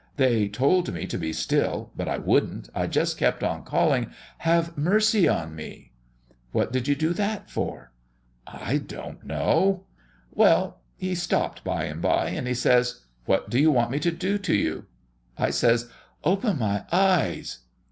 They told me to be still, but I wouldn't. I just kept on calling, 'Have mercy on me!'" "What did you do that for?" "I don't know. Well, He stopped by and by and He says, 'What do you want me to do to you?' I says, 'Open my eyes.'"